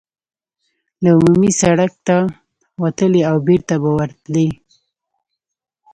له عمومي سړک ته وتلای او بېرته به ورتللای.